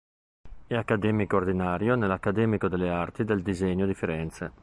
È accademico ordinario nell'Accademico delle Arti del Disegno di Firenze.